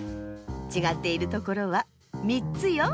ちがっているところは３つよ。